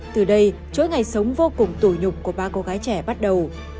từ đây chối ngày sống vô cùng tủi nhục của ba cô gái trẻ bắt đầu